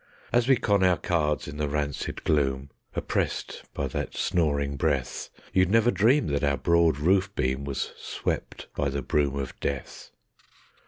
As we con our cards in the rancid gloom, oppressed by that snoring breath, You'd never dream that our broad roof beam was swept by the broom of death.